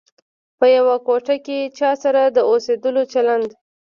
په یوه کوټه کې چا سره د اوسېدلو چلند.